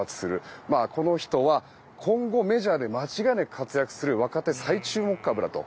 この人は今後メジャーで間違いなく活躍する若手最注目株だと。